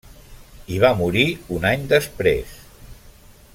Hi va morir un any després.